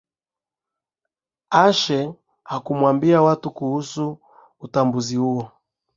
ashe hakuwambia watu kuhusu utambuzi huu